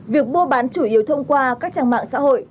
việc mua bán chủ yếu thông qua các trang mạng xã hội